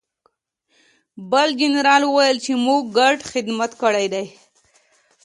بل جنرال وویل چې موږ ګډ خدمت کړی دی